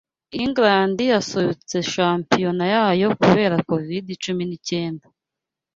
England yasubitse shampiona yayo kubera covid cumi n'icyenda